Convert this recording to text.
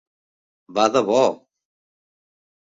Va de bo!